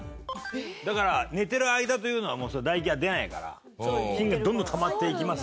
だから寝てる間というのは唾液が出ないから菌がどんどんたまっていきます。